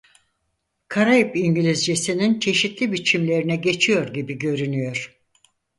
Karayip İngilizcesinin çeşitli biçimlerine geçiyor gibi görünüyor.